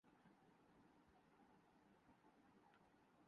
آسودہ ہونے کی وجہ سے دوران سفر بڑے بڑے ہوٹلوں میں رہتے